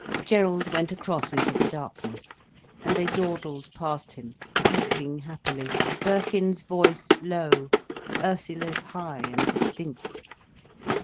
Gerald went across into the darkness and they dawdled past him, talking happily, Birkin's voice low, Ursula's high and distinct.